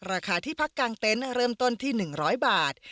ราคาที่พักกลางเต็นต์เริ่มต้นที่๑๐๐บาท